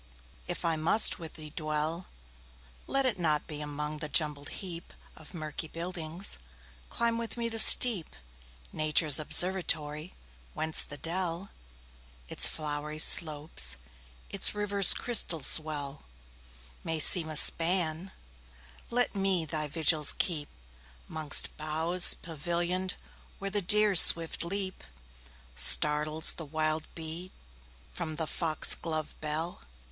if I must with thee dwell, Let it not be among the jumbled heapOf murky buildings; climb with me the steep,—Nature's observatory—whence the dell, Its flowery slopes, its river's crystal swell, May seem a span; let me thy vigils keep'Mongst boughs pavillion'd, where the deer's swift leapStartles the wild bee from the fox glove bell.